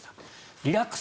リラックス！